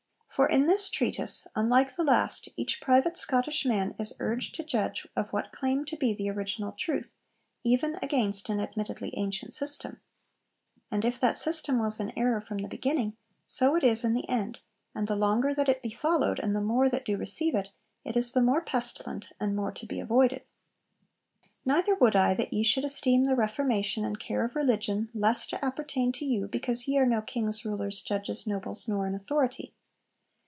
For in this treatise, unlike the last, each private Scottish man is urged to judge of what claimed to be the original truth, even against an admittedly ancient system. And 'If that system was an error in the beginning, so it is in the end, and the longer that it be followed, and the more that do receive it, it is the more pestilent, and more to be avoided.' 'Neither would I that ye should esteem the Reformation and care of religion less to appertain to you, because ye are no kings, rulers, judges, nobles, nor in authority.